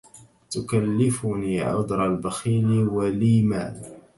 تكلفني عذر البخيل ولي مال